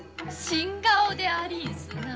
新顔でありんすなぁ。